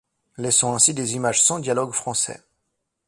Laissant ainsi des images sans dialogue français.